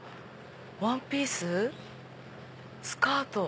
ワンピーススカート。